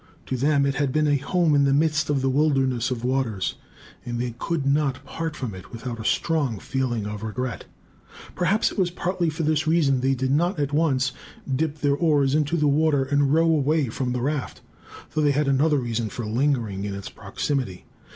To them it had been a home in the midst of the wilderness of waters; and they could not part from it without a strong feeling of regret. Perhaps it was partly for this reason they did not at once dip their oars into the water and row away from the raft; though they had another reason for lingering in its proximity.